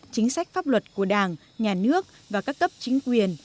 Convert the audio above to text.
chính sách pháp luật của đảng nhà nước và các cấp chính quyền